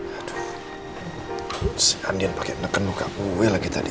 aduh si andian pake nekenuh ke gue lagi tadi